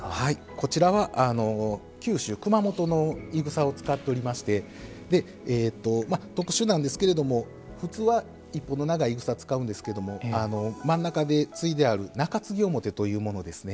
こちらは九州熊本のい草を使っておりまして特殊なんですけれども普通は１本の長いい草使うんですけども真ん中で継いである「中継ぎ表」というものですね。